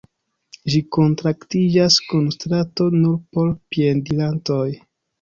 Ĝi kontaktiĝas kun strato nur por piedirantoj.